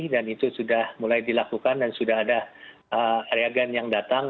dan itu sudah mulai dilakukan dan sudah ada reagen yang datang